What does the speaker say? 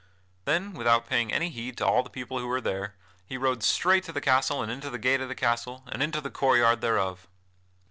Then, without paying any heed to all the people who were there, he rode straight to the castle and into the gate of the castle and into the court yard thereof.